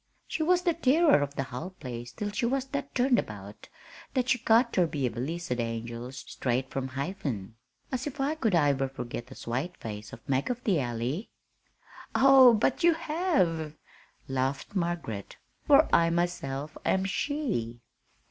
She was the tirror of the hull place till she was that turned about that she got ter be a blissed angel straight from Hiven. As if I could iver forgit th' swate face of Mag of the Alley!" "Oh, but you have," laughed Margaret, "for I myself am she."